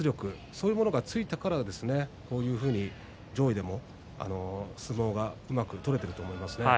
そういうものがついたからこういうふうに上位でも、相撲がうまく取れていると思いますね。